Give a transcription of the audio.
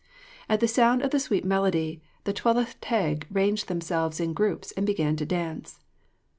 At the sound of the sweet melody, the Tylwyth Teg ranged themselves in groups, and began to dance.